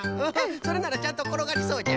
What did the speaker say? それならちゃんところがりそうじゃ。